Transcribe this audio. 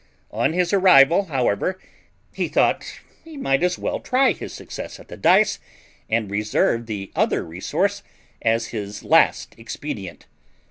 On his arrival, however, he thought he might as well try his success at the dice, and reserve the other resource as his last expedient.